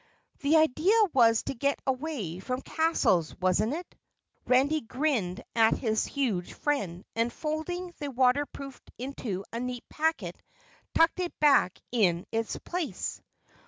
"The idea was to get away from castles, wasn't it?" Randy grinned up at his huge friend and, folding the waterproof into a neat packet, tucked it back in its place.